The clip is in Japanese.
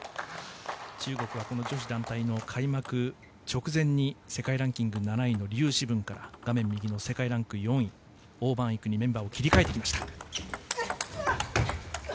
中国は女子団体の開幕直前に世界ランキング７位のリュウ・シブンから画面右の世界ランク４位オウ・マンイクにメンバーを切り替えてきました。